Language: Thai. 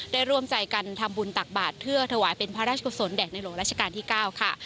ร่วมใจกันทำบุญตักบาทเพื่อถวายเป็นพระราชกุศลแด่ในหลวงราชการที่๙ค่ะ